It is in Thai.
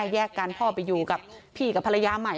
แยกกันพ่อไปอยู่กับพี่กับภรรยาใหม่